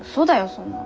そんなん。